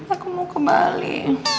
aku mau ke bali